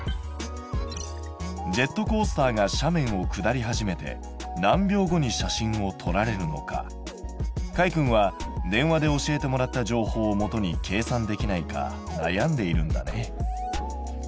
ジェットコースターが斜面を下り始めて何秒後に写真を撮られるのかかいくんは電話で教えてもらった情報をもとに計算できないかなやんでいるんだね。